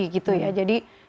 jadi tidak perlu